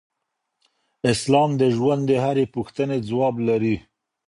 اسلام د ژوند د هرې پوښتنې ځواب لري.